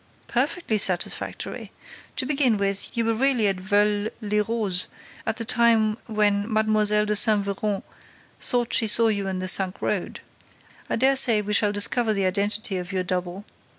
"Perfectly satisfactory! To begin with, you were really at Veules les Roses at the time when Mlle. de Saint Véran thought she saw you in the sunk road. I dare say we shall discover the identity of your double.